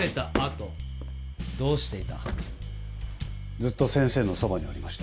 ずっと先生のそばにおりました。